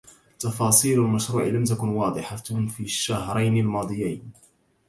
تفاصيل المشروع لم تكن واضحة في الشهرين الماضيين.